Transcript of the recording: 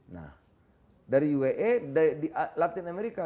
nah dari ue di latin amerika